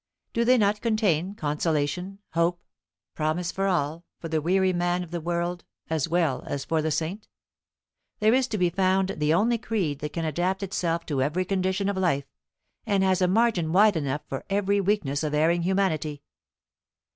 Do they not contain consolation, hope, promise for all for the weary man of the world as well as for the saint? There is to be found the only creed that can adapt itself to every condition of life, and has a margin wide enough for every weakness of erring humanity.